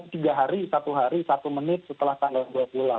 tiga hari satu hari satu menit setelah tanggal dua puluh delapan